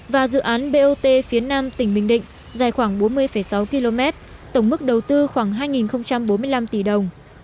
và dự án bot phía nam tỉnh bình định dài khoảng bốn mươi sáu km tổng mức đầu tư khoảng hai bốn mươi năm tỷ đồng